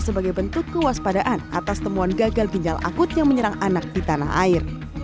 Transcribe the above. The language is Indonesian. sebagai bentuk kewaspadaan atas temuan gagal ginjal akut yang menyerang anak di tanah air